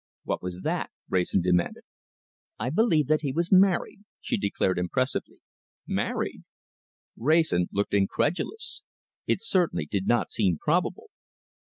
"What was that?" Wrayson demanded. "I believe that he was married," she declared impressively. "Married!" Wrayson looked incredulous. It certainly did not seem probable.